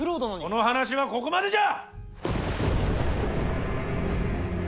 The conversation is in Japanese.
この話はここまでじゃ！